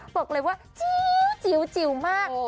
บอกเลยว่าจิ๊วมาก